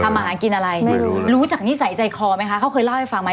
มาหากินอะไรไม่รู้รู้จากนิสัยใจคอไหมคะเขาเคยเล่าให้ฟังไหม